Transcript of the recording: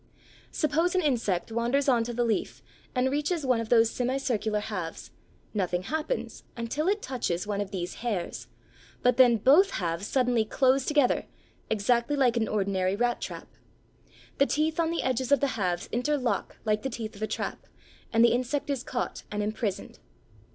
Suppose an insect wanders on to the leaf and reaches one of these semicircular halves, nothing happens until it touches one of these hairs, but then both halves suddenly close together, exactly like an ordinary rat trap! The teeth on the edges of the halves interlock like the teeth of a trap, and the insect is caught and imprisoned.